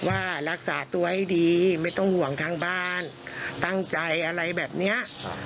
ว่ารักษาตัวให้ดีไม่ต้องห่วงทางบ้านตั้งใจอะไรแบบนี้